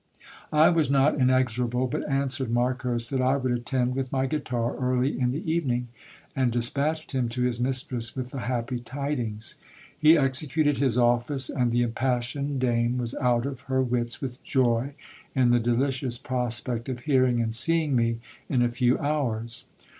I was not inexorable, but answered Marcos that I would attend with my guitar early in the evening ; and dispatched him to his mistress with the happy tidings. He executed his office, and the impassioned dame was out of her wits with joy, in the delicious prospect of hearing and seeing me in a few hours.